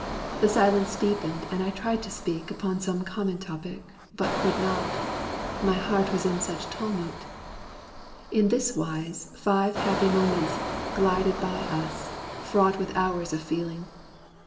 The silence deepened; and I tried to speak Upon some common topic, but could not, My heart was in such tumult. In this wise Five happy moments glided by us, fraught With hours of feeling.